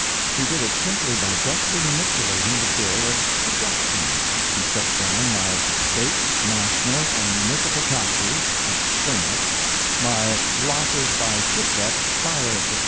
He did it simply by deftly manipulating the bill of "DEDUCTIONS." He set down my "State, national, and municipal taxes" at so much; my "losses by shipwreck; fire, etc.